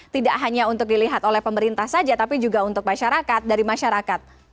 tidak hanya untuk dilihat oleh pemerintah saja tapi juga untuk masyarakat dari masyarakat